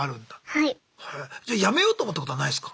はい。じゃあ辞めようと思ったことはないすか？